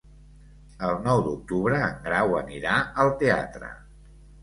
El nou d'octubre en Grau anirà al teatre.